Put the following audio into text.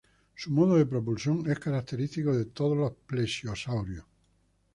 Su modo de propulsión es característico de todos los plesiosaurios.